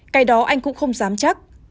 cái đó anh cũng không dám chắc